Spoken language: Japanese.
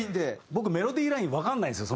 僕メロディーラインわかんないんですよ